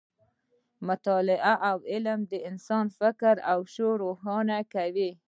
مطالعه او علم د انسان فکر او شعور روښانه کوي.